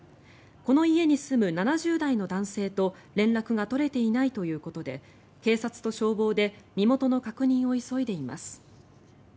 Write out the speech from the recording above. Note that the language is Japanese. この家に住む７０代の男性と連絡が取れていないということで警察と消防で身元の確認を急いでいます。